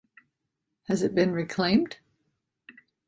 Has it been reclaimed?